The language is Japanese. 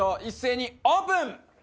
一斉にオープン！